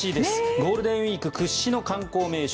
ゴールデンウィーク屈指の観光名所